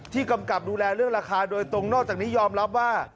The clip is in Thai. กำกับดูแลเรื่องราคาโดยตรงนอกจากนี้ยอมรับว่า